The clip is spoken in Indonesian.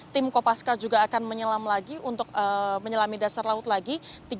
tim kopaska juga akan menyelam lagi untuk menyelami dasar laut lagi